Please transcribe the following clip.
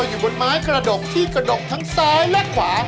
อยู่บนไม้กระดกที่กระดกทั้งซ้ายและขวา